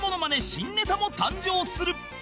新ネタも誕生する